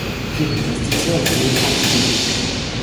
Jede Investition in die Reform ist wichtig.